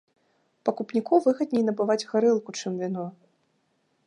Пакупніку выгадней набываць гарэлку, чым віно.